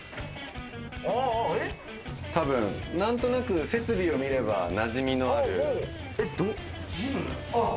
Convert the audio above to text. たぶん何となく設備を見れば、なじみのある。